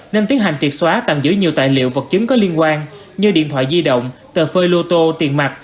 nên tiến hành triệt xóa tạm giữ nhiều tài liệu vật chứng có liên quan như điện thoại di động tờ phơi lô tô tiền mặt